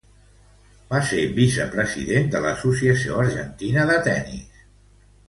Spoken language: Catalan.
Va ser vicepresident de l'Associación Argentina de Tenis.